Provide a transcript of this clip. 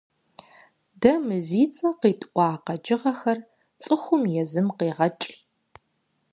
Дэ мы зи цӀэ къитӀуа къэкӀыгъэхэр цӀыхум езым къегъэкӀ.